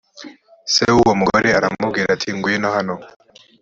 se w uwo mugore aramubwira ati ngwino hano